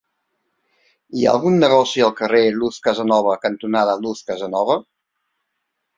Hi ha algun negoci al carrer Luz Casanova cantonada Luz Casanova?